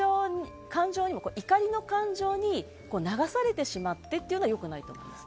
怒りの感情に流されてしまってというのはよくないと思います。